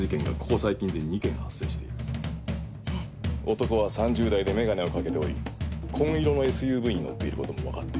男は３０代で眼鏡を掛けており紺色のＳＵＶに乗っていることも分かっている。